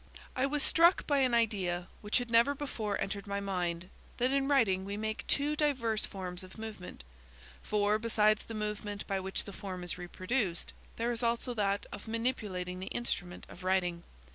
I was struck by an idea which had never before entered my mind–that in writing we make two diverse forms of movement, for, besides the movement by which the form is reproduced, there is also that of manipulating the instrument of writing.